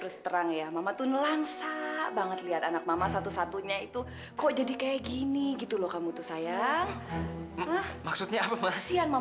sampai jumpa di video selanjutnya